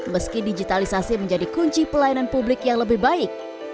meski digitalisasi menjadi kunci pelayanan publik yang lebih baik